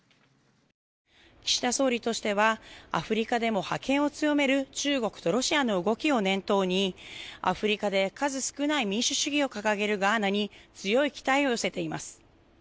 岸田総理としてはアフリカでも覇権を強める中国とロシアの動きを念頭にアフリカで数少ない民主主義を掲げるガーナに強い期待を寄せています。